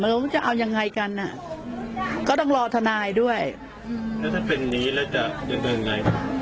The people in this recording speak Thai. มันจะเอายังไงกันอ่ะก็ต้องรอทนายด้วยอืมแล้วถ้าเป็นนี้แล้วจะจะเป็นยังไง